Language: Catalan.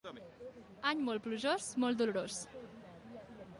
Any molt plujós, molt dolorós.